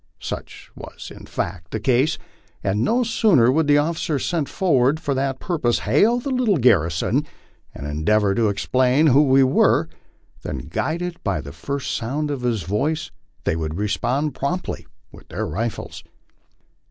Such was in fact the case, and no sooner would the officer sent forward for that purpose hail the little garrison and endeavor to explain who we were, than, guided by the first sound of his voice, they would respond promptly with their rifles.